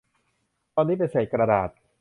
ตอนนี้เป็นเศษกระดาษ